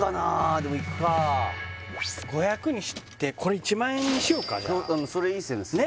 でもいくか５００にしてこれ１万円にしようかじゃあそれいい線ですね